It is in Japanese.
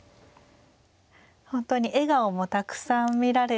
本当に笑顔もたくさん見られて。